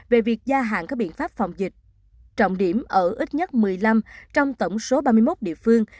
về việc gia hạn các biện pháp phòng dịch trọng điểm ở ít nhất một mươi năm trong tổng số ba mươi một địa phương